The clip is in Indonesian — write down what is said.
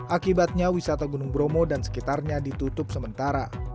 akibatnya wisata gunung bromo dan sekitarnya ditutup sementara